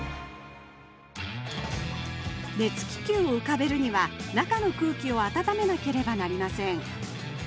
熱気球を浮かべるには中の空気を温めなければなりません。